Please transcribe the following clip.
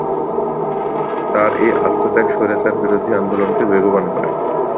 তার এই আত্মত্যাগ স্বৈরাচার বিরোধী আন্দোলনকে বেগবান করে।